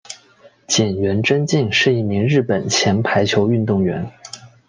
菅原贞敬是一名日本前排球运动员。